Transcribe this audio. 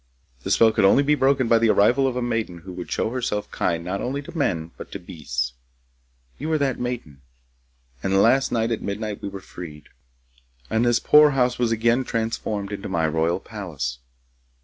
The spell could only be broken by the arrival of a maiden who should show herself kind not only to men but to beasts. You are that maiden, and last night at midnight we were freed, and this poor house was again transformed into my royal palace.